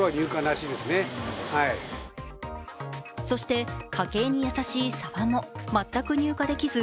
そして、家計に優しいさばも全く入荷できず